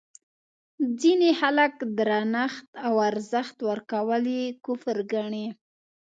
ځینې خلک درنښت او ارزښت ورکول یې کفر ګڼي.